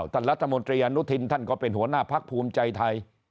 ท่านรัฐมนตรีอนุทินท่านก็เป็นหัวหน้าพักภูมิใจไทย